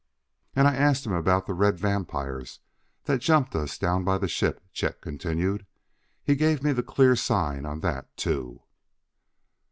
"And I asked him about the red vampires that jumped us down by the ship," Chet continued. "He gave me the clear sign on that, too."